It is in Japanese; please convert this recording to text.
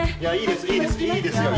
いいですよ。